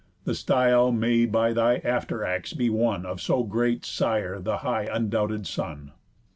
The style may by thy after acts be won, Of so great sire the high undoubted son.